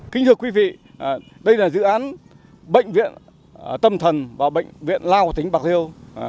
kính thưa quý vị đây là dự án bệnh viện tâm thần và bệnh viện lao của tỉnh bạc liêu